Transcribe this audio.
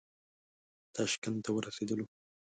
تاشکند ته ورسېدلو.